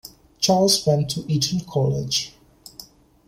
Charles went to Eton College.